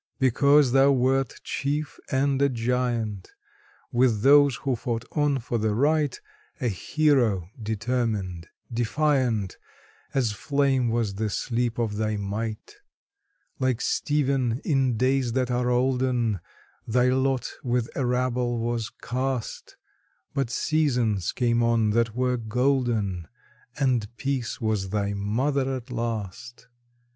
Because thou wert chief and a giant With those who fought on for the right A hero determined, defiant; As flame was the sleep of thy might. Like Stephen in days that are olden, Thy lot with a rabble was cast, But seasons came on that were golden, And Peace was thy mother at last.